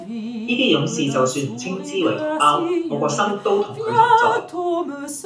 呢啲勇士就算唔稱之為同胞，我個心都同佢同在